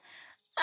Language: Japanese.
あ！